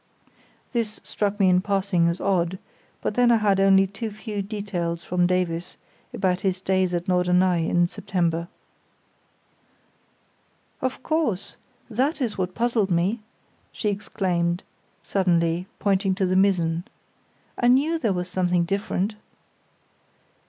This struck me in passing as odd; but then I had only too few details from Davies about his days at Norderney in September. "Of course, that is what puzzled me," she exclaimed, suddenly, pointing to the mizzen. "I knew there was something different."